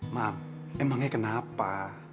maaf emangnya kenapa